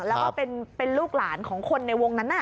แล้วก็เป็นลูกหลานของคนในวงนั้น